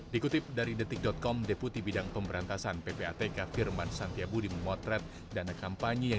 dikutip dari detik com deputi bidang pemberantasan ppatk firman santiabudi memotret dana kampanye yang